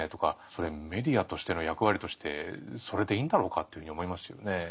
それメディアとしての役割としてそれでいいんだろうかというふうに思いますよね。